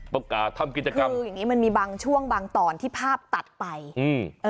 ประกาศทำกิจกรรมคืออย่างงี้มันมีบางช่วงบางตอนที่ภาพตัดไปอืมเออ